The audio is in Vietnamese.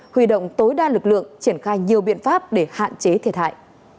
huy động tối đa lực lượng triển khai nhiều biện pháp để hạn chế thiệt hại